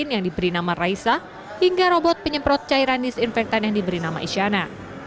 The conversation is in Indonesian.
yang diberi nama raisa hingga robot penyemprot cairan disinfektan yang diberi nama isyana